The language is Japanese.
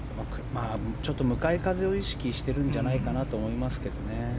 向かい風を意識してるんじゃないかと思いますけどね。